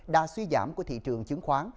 đã suy giảm của thị trường chứng khoán